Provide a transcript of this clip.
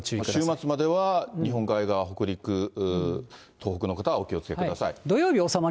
週末までは日本海側、北陸、東北の方はお気をつけください。